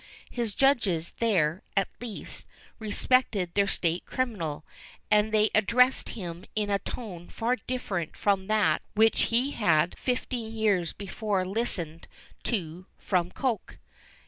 His judges, there, at least, respected their state criminal, and they addressed him in a tone far different from that which he had fifteen years before listened to from Coke.